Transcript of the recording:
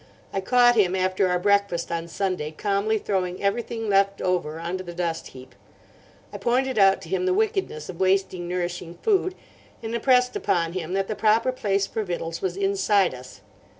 I caught him after our breakfast on Sunday calmly throwing everything left over onto the dust heap. I pointed out to him the wickedness of wasting nourishing food, and impressed upon him that the proper place for victuals was inside us.